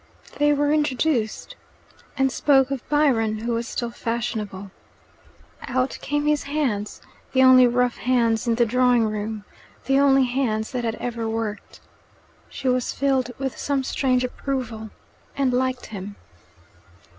They were introduced, and spoke of Byron, who was still fashionable. Out came his hands the only rough hands in the drawing room, the only hands that had ever worked. She was filled with some strange approval, and liked him.